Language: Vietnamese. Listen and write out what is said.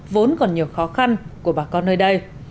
vốn còn nhiều khó khăn của bà con nơi đây